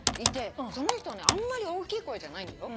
その人あんまり大きい声じゃないんだよ。